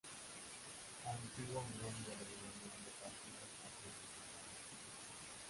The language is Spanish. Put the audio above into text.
Antiguo miembro de la Unión de Partidos Latinoamericanos.